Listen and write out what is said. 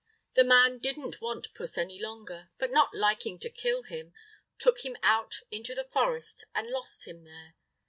The man didn't want puss any longer, but not liking to kill him, took him out into the forest and lost him there.